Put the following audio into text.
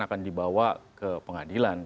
akan dibawa ke pengadilan